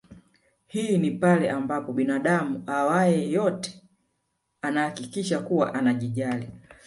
Hii ni pale ambapo binadamu awae yote anahakikisha kuwa anajijali